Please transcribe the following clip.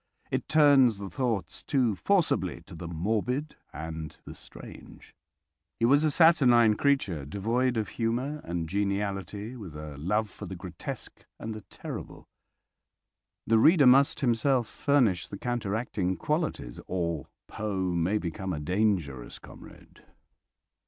It turns the thoughts too forcibly to the morbid and the strange. He was a saturnine creature, devoid of humour and geniality, with a love for the grotesque and the terrible. The reader must himself furnish the counteracting qualities or Poe may become a dangerous comrade.